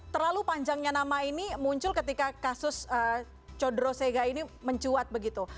terlalu panjangnya nama ini muncul ketika kasus codro sega ini mencuat begitu